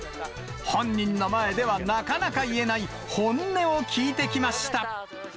本人の前ではなかなか言えない、本音を聞いてきました。